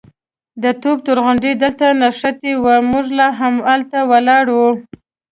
د توپ توغندی دلته نښتې وه، موږ لا همالته ولاړ وو.